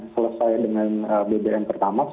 selesai dengan bbm pertamax